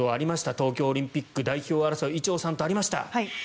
東京オリンピック代表争い伊調さんとありました。